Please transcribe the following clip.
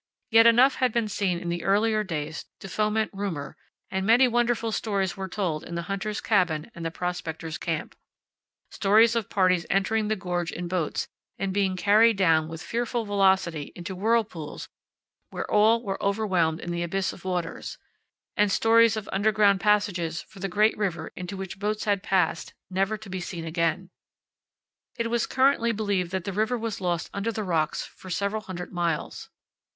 Yet enough had been seen in the earlier days to foment rumor, and many wonderful stories were told in the hunter's cabin and the prospector's camp stories of parties entering the gorge in boats and being carried down with fearful velocity into whirlpools where all were overwhelmed in the abyss of waters, and stories of underground passages for the great river into which boats had passed never to be seen again. It was currently believed that the river was lost under the rocks for several hundred miles.